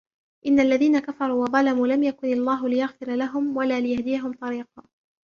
إن الذين كفروا وظلموا لم يكن الله ليغفر لهم ولا ليهديهم طريقا